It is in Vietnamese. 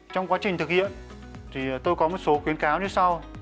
trong quá trình thực hiện thì tôi có một số khuyến cáo như sau